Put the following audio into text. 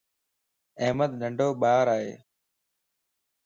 احمد ننڊو ٻار ائي